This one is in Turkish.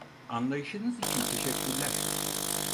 Anlayışınız için teşekkürler.